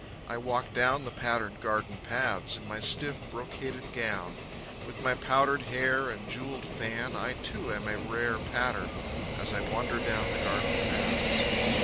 I walk down the patterned garden paths In my stiff, brocaded gown. With my powdered hair and jewelled fan, I too am a rare Pattern. As I wander down The garden paths.